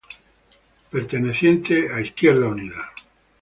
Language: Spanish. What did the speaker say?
Perteneciente a Izquierda Unida.